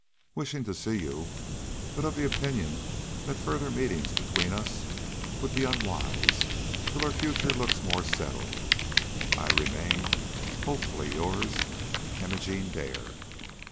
"Wishing to see you, but of the opinion that further meetings between us would be unwise till our future looks more settled, I remain, hopefully yours, "IMOGENE DARE."